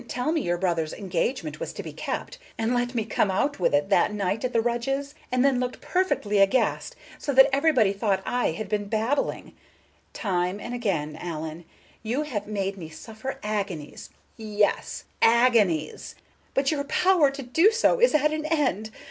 And I dare say you've forgotten that you didn't tell me your brother's engagement was to be kept, and let me come out with it that night at the Rudges', and then looked perfectly aghast, so that everybody thought I had been blabbing! Time and again, Allen, you have made me suffer agonies, yes, agonies; but your power to do so is at an end.